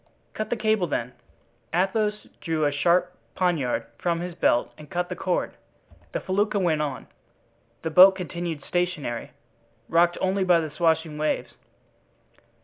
"Cut the cable, then." Athos drew a sharp poniard from his belt and cut the cord. The felucca went on, the boat continued stationary, rocked only by the swashing waves.